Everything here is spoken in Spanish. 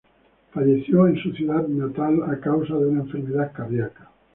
Falleció en su ciudad natal, a causa de una enfermedad cardíaca.